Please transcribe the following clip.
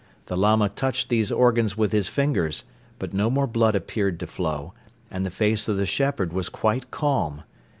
The Lama touched these organs with his fingers but no more blood appeared to flow and the face of the shepherd was quite calm.